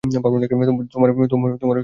তোমার ভালো লাগে?